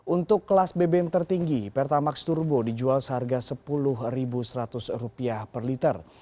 untuk kelas bbm tertinggi pertamax turbo dijual seharga rp sepuluh seratus per liter